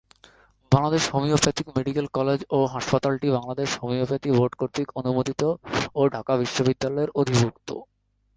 Bangladesh homeopathic medical college ও হাসপাতালটি Bangladesh homeopathy board কর্তৃক অনুমোদিত ও ঢাকা বিশ্ববিদ্যালয়ের অধিভুক্ত।